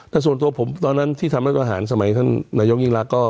แต่ส่วนตัวผมตอนนั้นที่ทำรัฐประหารสมัยท่านนายกยิ่งรักก็